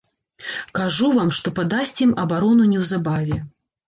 Кажу вам, што падасць ім абарону неўзабаве.